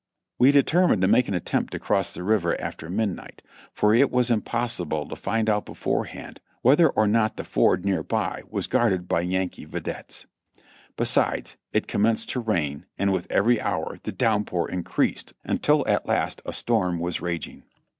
We determined to make an attempt to cross the river after mid night, for it was impossible to find out beforehand whether or nor the ford near by was guarded by Yankee videttes ; besides, it com menced to rain, and with every hour the down pour increased until at last a storm was raging.